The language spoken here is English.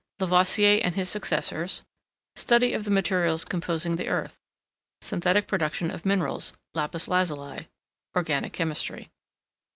Lavoisier and his successors. Study of the materials composing the Earth. Synthetic production of Minerals LAPIS LAZULI. Organic Chemistry.